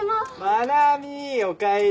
真名美おかえり。